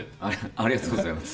ありがとうございます。